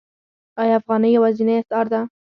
آیا افغانۍ یوازینۍ اسعار ده؟